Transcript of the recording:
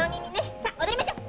さあ踊りましょう。